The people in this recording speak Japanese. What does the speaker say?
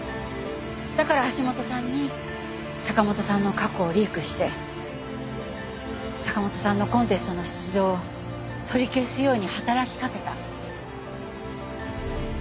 だから橋本さんに坂元さんの過去をリークして坂元さんのコンテストの出場を取り消すように働きかけた。